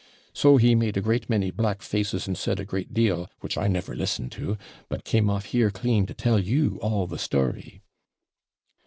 So he made a great many black faces, and said a great deal, which I never listened to, but came off here clean to tell you all the story.'